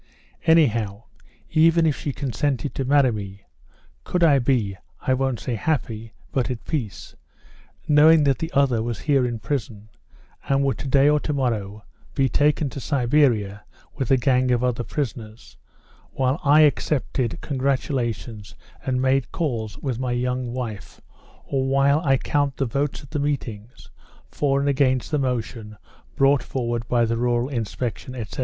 Anyhow, even if she consented to marry me, could I be, I won't say happy, but at peace, knowing that the other was here in prison, and would to day or to morrow he taken to Siberia with a gang of other prisoners, while I accepted congratulations and made calls with my young wife; or while I count the votes at the meetings, for and against the motion brought forward by the rural inspection, etc.